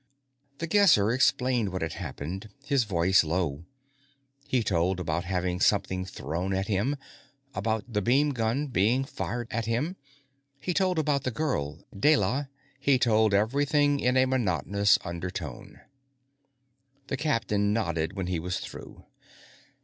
The Guesser explained what had happened, his voice low. He told about having something thrown at him, about the beamgun being fired at him. He told about the girl, Deyla. He told everything in a monotonous undertone. The captain nodded when he was through.